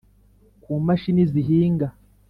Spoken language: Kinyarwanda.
kumashini zihinga